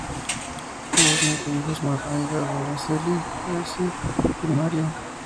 Tuvo cinco hijos más: Aida, Dora, Celia, Alicia y Mario.